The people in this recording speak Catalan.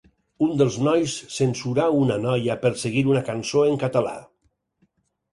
Un dels nois censurà una noia per seguir una cançó en català.